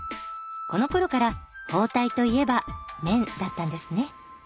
このころから包帯といえば綿だったんですね。